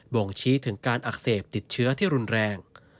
บ่งชี้ถึงการอักเสบติดเชื้อที่รุนแรง